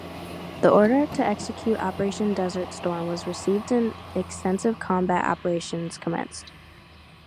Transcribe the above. The order to execute Operation Desert Storm was received and extensive combat operations commenced.